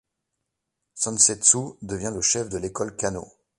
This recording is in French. Sansetsu devient le chef de l'école Kanō.